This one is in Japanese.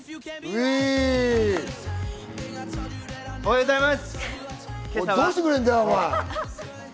おはようございます。